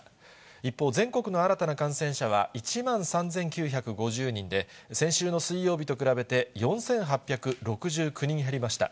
一方、全国の新たな感染者は１万３９５０人で、先週の水曜日と比べて４８６９人減りました。